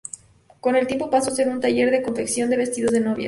Con el tiempo pasó a ser un taller de confección de vestidos de novias.